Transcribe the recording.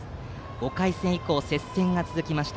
５回戦以降、接戦が続きました。